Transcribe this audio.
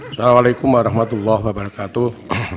assalamu alaikum warahmatullahi wabarakatuh